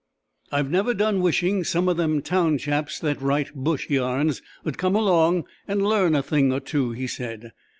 "I've never done wishing some of them town chaps that write bush yarns 'ud come along and learn a thing or two," he said.